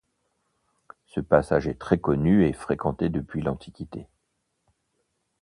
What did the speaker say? Ce passage est très connu et fréquenté depuis l'Antiquité.